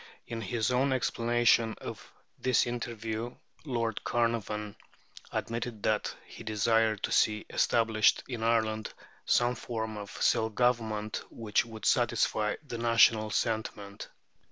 In his own explanation of this interview Lord Carnarvon admitted that he desired to see established in Ireland some form of self government which would satisfy "the national sentiment."